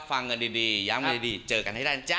ฟังกันดีย้ำเมล็ดดีเจอกันให้ได้นะจ๊ะ